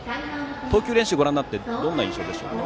投球練習をご覧になってどんな印象ですか？